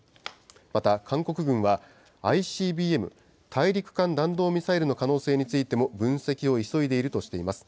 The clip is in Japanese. また、韓国軍はＩＣＢＭ・大陸間弾道ミサイルの可能性についても分析を急いでいるとしています。